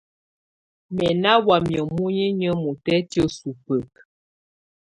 Mɛ̀ nà wamɛ̀á muninyǝ́ mutɛtɛ̀á subǝkǝ.